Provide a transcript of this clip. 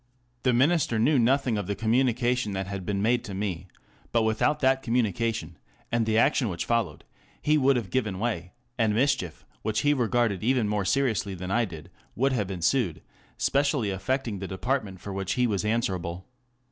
The Minister knew nothing of the communication that had been made to me, but without that communication, and the action which followed, he would have given way, and mischief, which he regarded even more seriously than I did, would have ensued, specially affecting the department for which he was answerable.